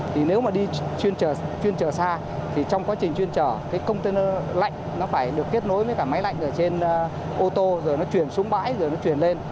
thì nếu mà đi chuyên trở xa thì trong quá trình chuyên trở cái container lạnh nó phải được kết nối với cả máy lạnh ở trên ô tô rồi nó chuyển xuống bãi rồi nó chuyển lên